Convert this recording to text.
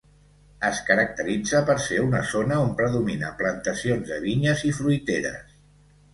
Es caracteritza per ser una zona on predomina plantacions de vinyes i fruiteres.